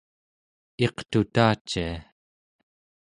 iqtutacia